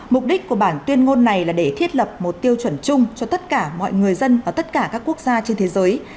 mục đích của bản tuyên ngôn này là để thiết lập một tiêu chuẩn chung cho tất cả mọi người dân và tất cả các quốc gia trên thế giới